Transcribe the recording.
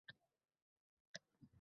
Samarqandlik fidoyilar taqdirlandi